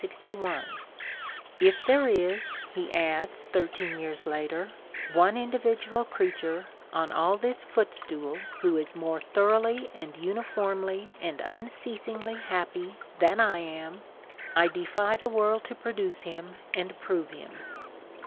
"If there is," he adds, thirteen years later, "one individual creature on all this footstool who is more thoroughly and uni formly and unceasingly happy than I am I defy the world to produce him and prove him."